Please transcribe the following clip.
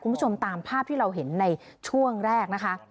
คุณผู้ชมตามภาพที่เราเห็นในช่วงแรกนะคะ